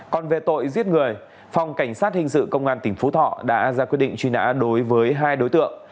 còn về tội giết người phòng cảnh sát hình sự công an tỉnh phú thọ đã ra quyết định truy nã đối với hai đối tượng